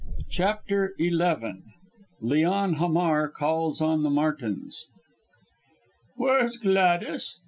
CHAPTER XI LEON HAMAR CALLS ON THE MARTINS "Where's Gladys?"